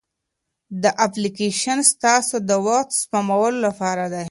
دا اپلیکیشن ستاسو د وخت سپمولو لپاره دی.